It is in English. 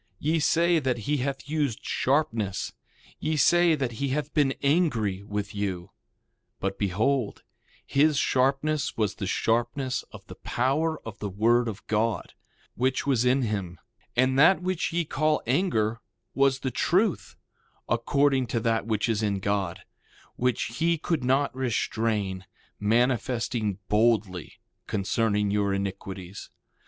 Ye say that he hath used sharpness; ye say that he hath been angry with you; but behold, his sharpness was the sharpness of the power of the word of God, which was in him; and that which ye call anger was the truth, according to that which is in God, which he could not restrain, manifesting boldly concerning your iniquities.